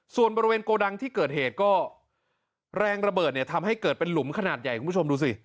ส่วนบริเวณโกดังที่เกิดเหตุก็แรงระเบิดเนี่ยทำให้เกิดเป็นหลุมขนาดใหญ่คุณผู้ชมดูสิ